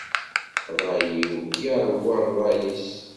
Ṛṛay-iw yeṛwa ṛṛay-is.